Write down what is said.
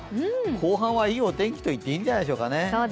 後半はいいお天気といっていいんじゃないですかね。